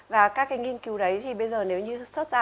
và các nghiên cứu đấy thì bây giờ nếu như sớt ra